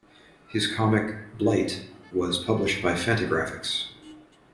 His comic "Blite" was published by Fantagraphics.